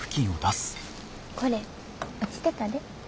これ落ちてたで。